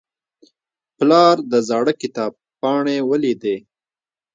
پلار د زاړه کتاب پاڼې ولیدې.